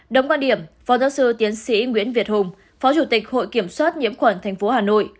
đồng quan điểm phó giáo sư tiến sĩ nguyễn việt hùng phó chủ tịch hội kiểm soát nhiễm khuẩn tp hà nội